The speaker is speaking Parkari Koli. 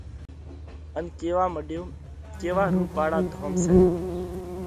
ان ڪيوا مڏيو: ڪيوا رُوپاۯا ڌوم سئہ۔